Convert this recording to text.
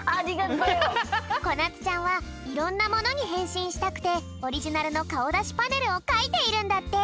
こなつちゃんはいろんなものにへんしんしたくてオリジナルのかおだしパネルをかいているんだって。